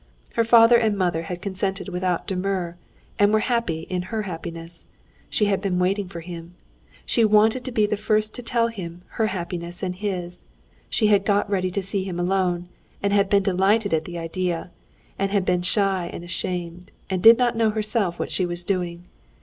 Her mother and father had consented without demur, and were happy in her happiness. She had been waiting for him. She wanted to be the first to tell him her happiness and his. She had got ready to see him alone, and had been delighted at the idea, and had been shy and ashamed, and did not know herself what she was doing.